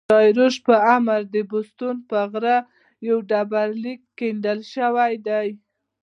داریوش په امر د بستون پر غره یو ډبر لیک کیندل سوی دﺉ.